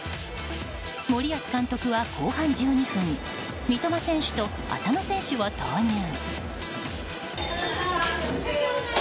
森保監督は後半１２分三笘選手と浅野選手を投入。